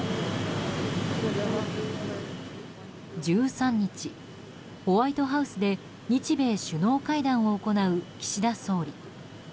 １３日、ホワイトハウスで日米首脳会談を行う岸田総理。